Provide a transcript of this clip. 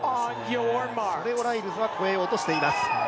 それをライルズは越えようとしてきています。